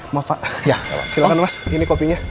maaf pak ya silahkan mas ini kopinya